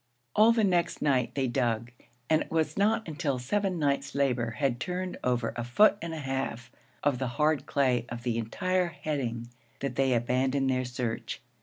All the next night they dug; and it was not until seven nights' labor had turned over a foot and a half of the hard clay of the entire heading that they abandoned their search.